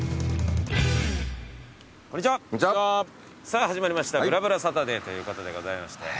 さぁ始まりました『ぶらぶらサタデー』ということでございまして。